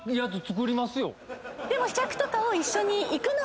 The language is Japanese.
でも。